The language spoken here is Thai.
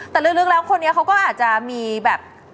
แต่ลึกแล้วคนนี้เขาก็อาจจะมีแบบ